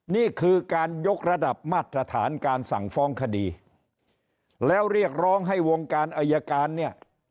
นี่คือการยกระดับมาตรฐานการสั่งฟ้องคดีแล้วเรียกร้องให้วงการอายการเนี่ย